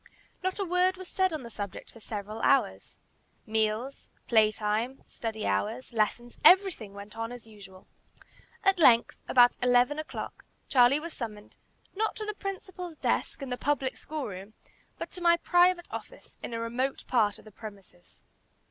Not a word was said on the subject for several hours. Meals, play time, study hours, lessons, everything went on as usual. At length, about eleven o'clock, Charlie was summoned, not to the principal's desk, in the public school room, but to my private office, in a remote part of the premises.